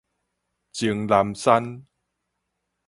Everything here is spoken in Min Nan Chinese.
鍾南山